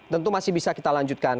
tentu masih bisa kita lanjutkan